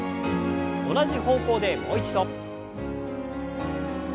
同じ方向でもう一度。